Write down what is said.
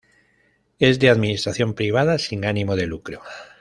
Es de administración privada sin ánimo de lucro.